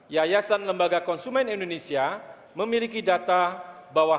yayasan lembaga konsumen indonesia memiliki data bahwa